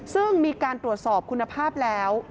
ซึ่งมีการตรวจสอบคุณภาพแล้ว